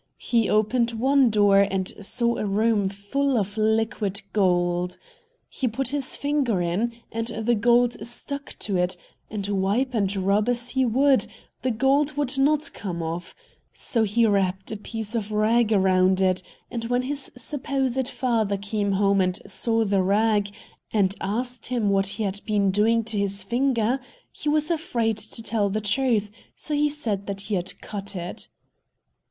He opened one door, and saw a room full of liquid gold. He put his finger in, and the gold stuck to it, and, wipe and rub as he would, the gold would not come off; so he wrapped a piece of rag around it, and when his supposed father came home and saw the rag, and asked him what he had been doing to his finger, he was afraid to tell him the truth, so he said that he had cut it.